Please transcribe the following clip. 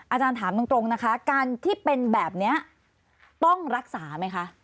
อาจารย์ถามตรงนะคะการที่เป็นแบบนี้ต้องรักษาไหมคะ